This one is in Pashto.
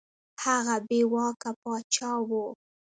هغه بې واکه پاچا وو.